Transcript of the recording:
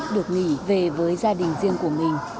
được nghỉ về với gia đình riêng của mình